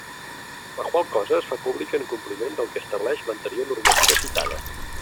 La qual cosa es fa pública en compliment del que estableix l'anterior normativa citada.